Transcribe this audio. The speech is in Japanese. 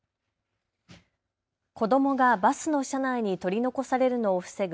子どもがバスの車内に取り残されるのを防ぐ